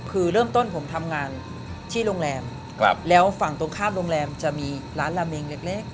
คือเริ่มต้นผมทำงานที่โรงแรมแล้วฝั่งตรงข้ามโรงแรมจะมีร้านลาเมงเล็ก